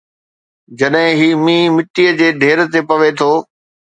جڏهن هي مينهن مٽيءَ جي ڍير تي پوي ٿو